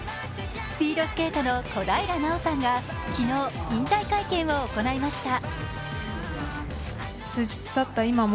スピードスケートの小平奈緒さんが昨日、引退会見を行いました。